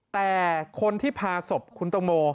แต่คนที่ผ่าสบคุณตางโม